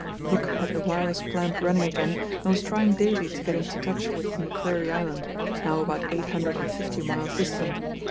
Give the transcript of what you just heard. Hooke had the wireless plant running again and was trying daily to get into touch with Macquarie Island, now about eight hundred and fifty miles distant.